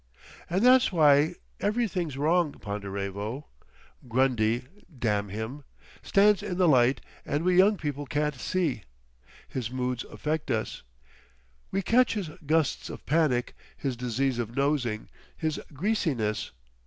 "And that's why everything's wrong, Ponderevo. Grundy, damn him! stands in the light, and we young people can't see. His moods affect us. We catch his gusts of panic, his disease of nosing, his greasiness.